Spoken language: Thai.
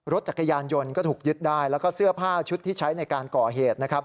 รถจักรยานยนต์ก็ถูกยึดได้แล้วก็เสื้อผ้าชุดที่ใช้ในการก่อเหตุนะครับ